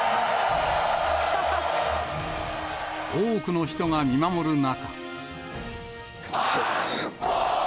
多くの人が見守る中。